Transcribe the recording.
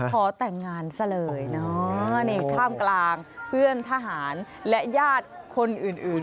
ขอแต่งงานซะเลยเนอะนี่ท่ามกลางเพื่อนทหารและญาติคนอื่นอื่น